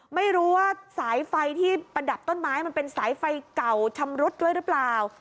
ไม่รู้ว่าสายไฟที่ประดับต้นไม้มันเป็นสายไฟเก่าชำรุดด้วยหรือเปล่า